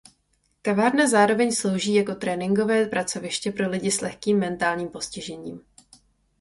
Kavárna zároveň slouží jako tréninkové pracoviště pro lidi s lehkým mentálním postižením.